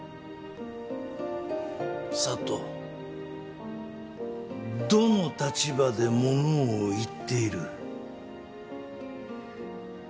佐都どの立場で物を言っている？